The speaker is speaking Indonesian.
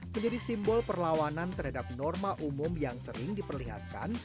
menjadi simbol perlawanan terhadap norma umum yang sering diperlihatkan